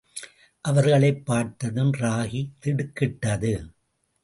அவர்களைப் பார்த்ததும் ராகி திடுக்கிட்டது.